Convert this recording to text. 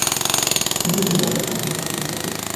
তুমি কি কিং জর্জের প্রাণহানি করার জন্য প্রস্তুত?